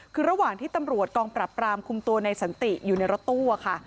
คือระหว่างที่ตำรวจกองปรับปรามคุมตัวในสันติอยู่ในรถตู้ค่ะ